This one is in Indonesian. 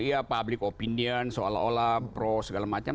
iya public opinion seolah olah pro segala macam